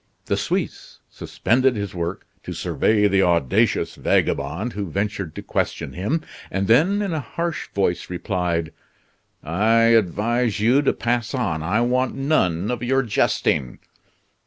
The Suisse suspended his work to survey the audacious vagabond who ventured to question him, and then in a harsh voice replied: "I advise you to pass on. I want none of your jesting."